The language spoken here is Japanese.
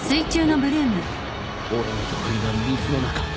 俺の得意な水の中